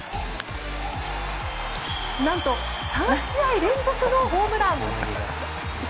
何と、３試合連続のホームラン！